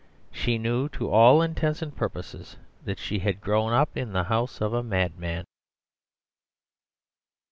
She knew to all intents and purposes that she had grown up in the house of a madman.